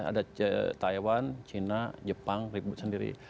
ada taiwan china jepang ribut sendiri